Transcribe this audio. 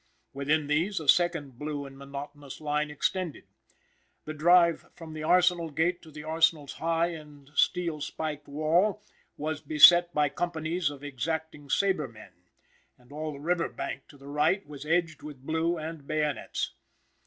Within these a second blue and monotonous line extended. The drive from the arsenal gate to the arsenal's high and steel spiked wall was beset by companies of exacting sabremen, and all the river bank to the right was edged with blue and bayonets.